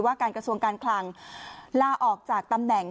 การกระทรวงการคลังลาออกจากตำแหน่ง